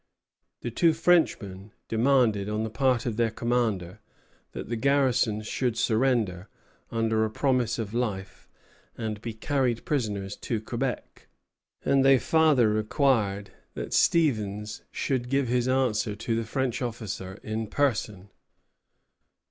The two Frenchmen demanded, on the part of their commander, that the garrison should surrender, under a promise of life, and be carried prisoners to Quebec; and they farther required that Stevens should give his answer to the French officer in person.